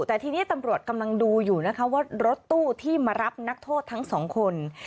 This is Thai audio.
แต่ทีนี้ตำรวจกำลังดูอยู่นะคะว่ารถตู้ที่มารับนักโทษทั้งสองคน